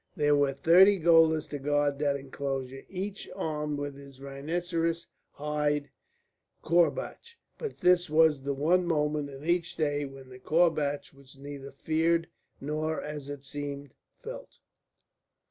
There were thirty gaolers to guard that enclosure, each armed with his rhinoceros hide courbatch, but this was the one moment in each day when the courbatch was neither feared, nor, as it seemed, felt.